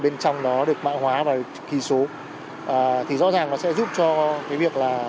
bên trong đó được mạng hóa vào kỳ số thì rõ ràng nó sẽ giúp cho cái việc là